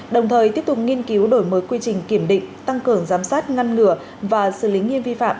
đồng thời tiếp tục nghiên cứu đổi mới quy trình kiểm định tăng cường giám sát ngăn ngừa và xử lý nghiêm vi phạm